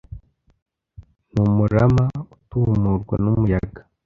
N umurama utumurwa n umuyaga